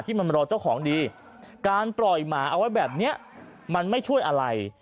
มันรอเจ้าของดีการปล่อยหมาเอาไว้แบบนี้มันไม่ช่วยอะไร